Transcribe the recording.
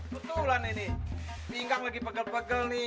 betulan ini pinggang lagi pegel pegel nih